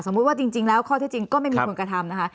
ว่าจริงแล้วข้อเท็จจริงก็ไม่มีคนกระทำนะคะ